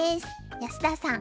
安田さん